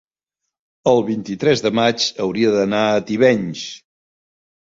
el vint-i-tres de maig hauria d'anar a Tivenys.